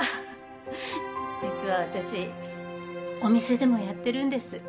実は私お店でもやってるんです。